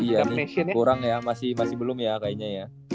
iya ini kurang ya masih belum ya kayaknya ya